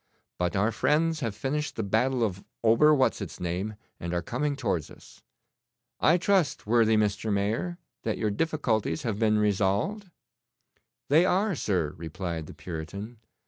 But our friends have finished the battle of Ober what's its name, and are coming towards us. I trust, worthy Mr. Mayor, that your difficulties have been resolved?' 'They are, sir,' replied the Puritan.